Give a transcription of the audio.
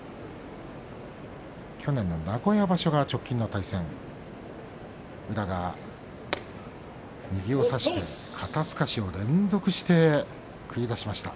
去年の名古屋場所が直近の対戦、宇良が右を差して肩すかしを連続して繰り出しました。